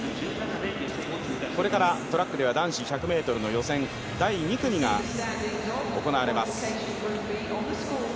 これからトラックでは男子１００ｍの予選、第２組が行われます。